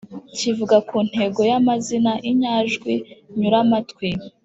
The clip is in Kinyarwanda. kivuga ku ntego y’amazina, inyajwi nyuramatwi,